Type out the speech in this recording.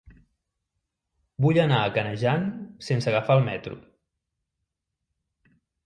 Vull anar a Canejan sense agafar el metro.